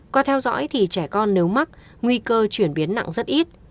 qua theo dõi thì trẻ con nếu mắc nguy cơ chuyển biến nặng rất ít